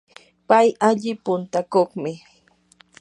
pay alli puntakuqmi.